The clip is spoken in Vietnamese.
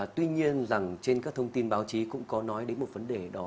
tuy nhiên rằng trên các thông tin báo chí cũng có nói đến một vấn đề đó